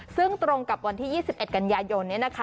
ซึ่งตรงกับวันที่๒๑กันยายนนี้นะคะ